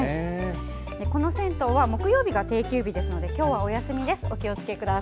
この銭湯は木曜日が定休日ですので今日はお休みです。